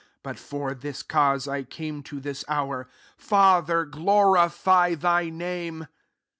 But for this cause I came to this hoor. Father, glorify thy name."